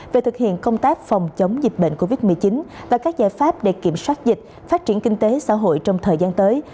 về thực hiện công tác phòng chống dịch bệnh covid một mươi chín và các giải pháp để kiểm soát dịch phát triển kinh tế xã hội trong thời gian tới